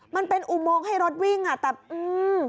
มันเป็นอุโมงให้รถวิ่งอ่ะแต่อืม